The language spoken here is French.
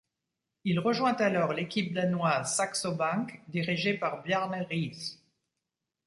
Il rejoint alors l'équipe danoise Saxo Bank, dirigée par Bjarne Riis.